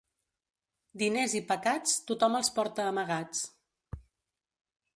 Diners i pecats, tothom els porta amagats.